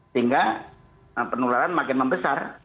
sehingga penularan makin membesar